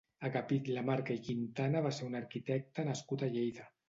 Agapit Lamarca i Quintana va ser un arquitecte nascut a Lleida.